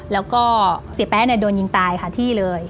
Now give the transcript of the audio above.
แล้วก็เสียแป๊ะโดนยิงตายค่ะที่เลย